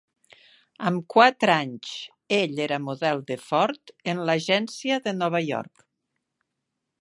Amb quatre anys ell era model de Ford, en l'agència de Nova York.